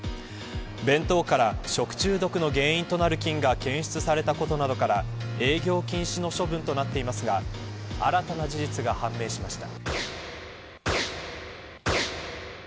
弁当から食中毒の原因となる菌が検出されたことなどから営業禁止の処分となっていますが新たな事実が判明しました。